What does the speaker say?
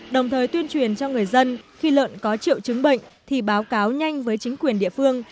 đồng thời tuyên truyền cho người dân khi lợn có triệu chứng bệnh thì báo cáo nhanh với chính quyền địa phương